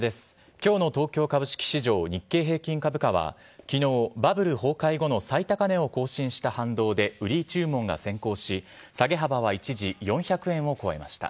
きょうの東京株式市場、日経平均株価は、きのう、バブル崩壊後の最高値を更新した反動で売り注文が先行し、下げ幅は一時４００円を超えました。